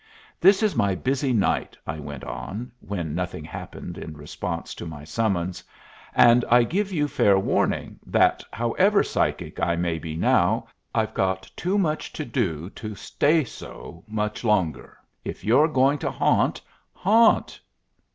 "This is my busy night," I went on, when nothing happened in response to my summons, "and I give you fair warning that, however psychic I may be now, I've got too much to do to stay so much longer. If you're going to haunt, haunt!"